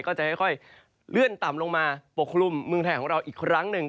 ก็จะค่อยเลื่อนต่ำลงมาปกคลุมเมืองไทยของเราอีกครั้งหนึ่ง